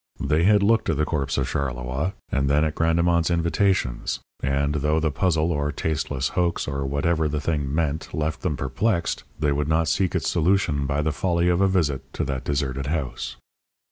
They had looked at the corpse of Charleroi and then at Grandemont's invitations, and, though the puzzle or tasteless hoax or whatever the thing meant left them perplexed, they would not seek its solution by the folly of a visit to that deserted house.